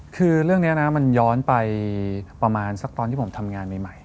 คือเรื่องนี้นะมันย้อนไปประมาณสักตอนที่ผมทำงานใหม่